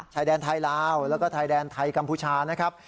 ชายแดนไทยลาวแล้วก็ชายแดนไทยกัมพูชานะครับ